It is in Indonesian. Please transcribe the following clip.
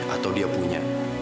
atau dia punya